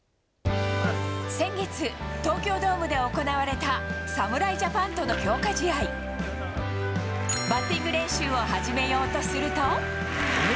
先月、東京ドームで行われた侍ジャパンとの強化試合。バッティング練習を始めようとすると。